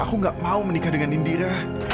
aku gak mau menikah dengan indira